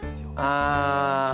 ああ！